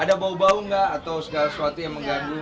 ada bau bau nggak atau segala sesuatu yang mengganggu